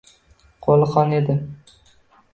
Qo’li qon edi